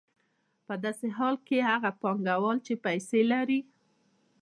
په داسې حالت کې هغه پانګوال چې پیسې لري